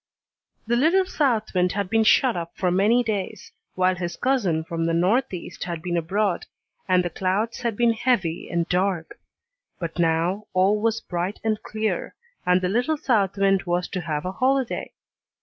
The little south wind had been shut up for many days, while his cousin from the northeast had been abroad, and the clouds had been heavy and dark; but now all was bright and clear, and the little south wind was to have a holiday.